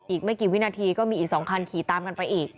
อีกไม่กี่วินาทีก็มีอีก๒คันขี่ตามกันไปอีก